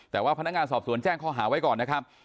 แต่ว่าพนักงานสอบสวนแจ้งข้อหาไว้ก่อนนะครับ